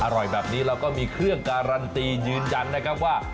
อร่อยแบบนี้เราก็มีเครื่องการันตียืนยันนะครับว่า